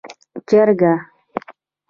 🐔 چرګه